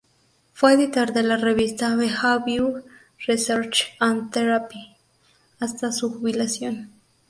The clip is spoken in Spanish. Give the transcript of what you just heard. Fue editor de la revista "Behaviour Research and Therapy" hasta su jubilación.